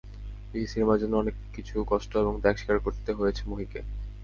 সিনেমার জন্য অনেক কিছু কষ্ট এবং ত্যাগ স্বীকার করতে হয়েছে মাহিকে।